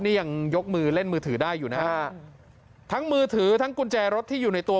นี่ยังยกมือเล่นมือถือได้อยู่นะฮะทั้งมือถือทั้งกุญแจรถที่อยู่ในตัว